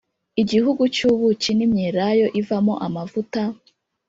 igihugu cy’ubuki n’imyelayo ivamo amavuta,